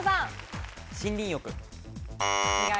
森林浴。